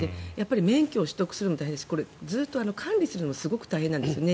免許を取得するのも大変ですし管理するのもすごく大変なんですよね。